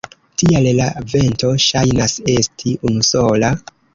Tial la vento ŝajnas esti unusola.